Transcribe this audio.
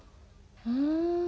ふん。